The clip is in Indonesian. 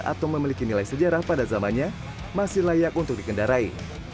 atau memiliki nilai sejarah pada zamannya masih layak untuk dikendarai